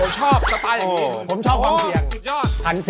ผมชอบสไตล์จริงผมชอบความเคียงโอ้๑๐ยอด